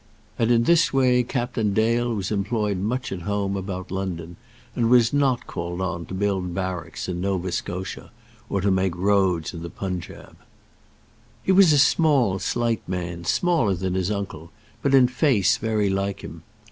And in this way Captain Dale was employed much at home, about London; and was not called on to build barracks in Nova Scotia, or to make roads in the Punjaub. He was a small slight man, smaller than his uncle, but in face very like him.